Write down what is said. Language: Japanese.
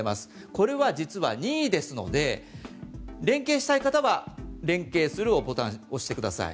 これは実は任意ですので連携したい方は連携するボタンを押してください。